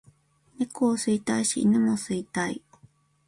猫を吸いたいし犬も吸いたい